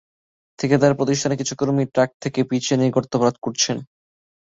ঠিকাদারি প্রতিষ্ঠানের কিছু কর্মী ট্রাক থেকে পিচ এনে গর্ত ভরাট করছেন।